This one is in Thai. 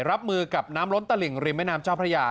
รับมือกับน้ำล้นตลิ่งริมแม่น้ำเจ้าพระยา